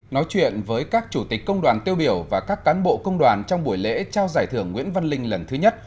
nói chuyện với các chủ tịch công đoàn tiêu biểu và các cán bộ công đoàn trong buổi lễ trao giải thưởng nguyễn văn linh lần thứ nhất